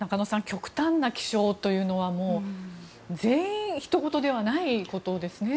極端な気象というのは全員ひと事ではないことですね。